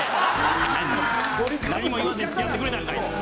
何も言わずにつきあってくれたんかいな。